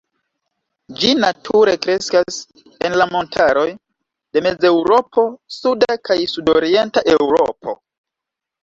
Ĝi nature kreskas en la montaroj de Mezeŭropo, Suda kaj Sudorienta Eŭropo.